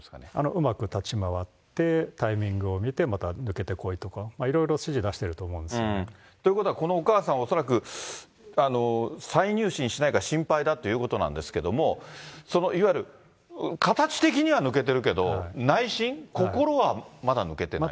うまく立ち回って、タイミングを見て、また抜けてこいとか、いろいろ指示を出してると思いますね。ということはこのお母さんは恐らく、再入信しないか心配だっていうことなんですけども、そのいわゆる、形的には抜けてるけど、内心、心はまだ抜けてない？